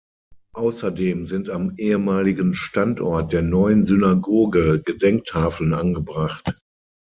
Außerdem sind am ehemaligen Standort der neuen Synagoge Gedenktafeln angebracht.